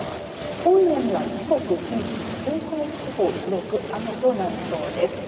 今夜には四国、近畿、東海地方広く雨となりそうです。